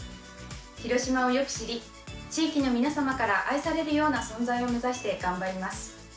広島をよく知り、地域の皆様から愛されるような存在を目指して頑張ります。